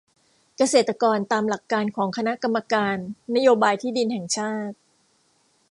เกษตรกรตามหลักการของคณะกรรมการนโยบายที่ดินแห่งชาติ